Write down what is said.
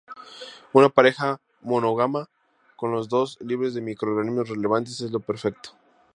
Una pareja monógama, con los dos libres de microorganismos relevantes, es lo perfecto.